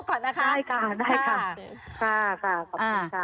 ค่ะค่ะขอบคุณค่ะนะค่ะเท่านั้น